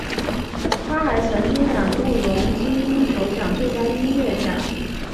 他还曾经两度荣膺金球奖最佳电影音乐奖。